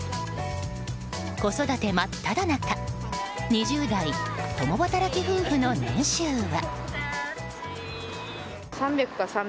子育て真っただ中２０代共働き夫婦の年収は。